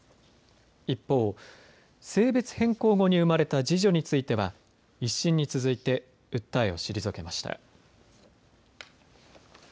一方、性別変更後に生まれた次女については１審に続いて訴えを退けました。